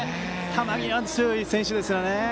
球際に強い選手ですよね。